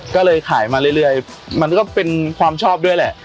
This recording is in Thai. ก็เลยขายมาเรื่อยมันก็เป็นความชอบด้วยแหละ